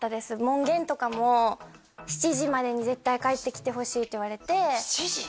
門限とかも７時までに絶対帰ってきてほしいって言われて７時？